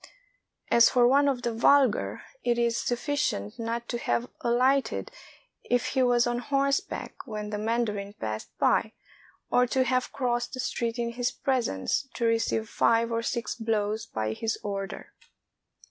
As for one of the vulgar, it is sufficient not to have alighted if he was on horseback when the mandarin passed by, or to have crossed the street in his presence, to receive five or six blows by his order.